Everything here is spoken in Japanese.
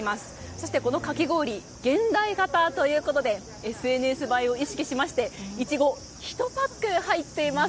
そしてこのかき氷現代型ということでＳＮＳ映えを意識しましてイチゴ１パック入っています。